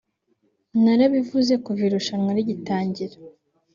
narabivuze kuva irushanwa rigitangira